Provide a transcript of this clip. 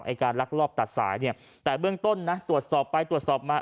การลักลอบตัดสายเนี่ยแต่เบื้องต้นนะตรวจสอบไปตรวจสอบมา